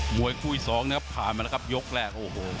หมวยคู่อีก๒นะครับขามันนะครับยกแรก